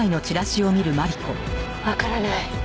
わからない。